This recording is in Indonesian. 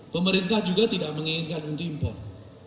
pemerintah juga tidak menginginkan untuk impor